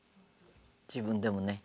自分でもね。